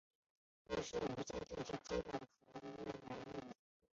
亦是无线电视基本艺人合约男艺员。